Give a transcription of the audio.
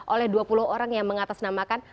oleh dua puluh orang yang mengatasnamakan